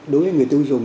đối với người tiêu dùng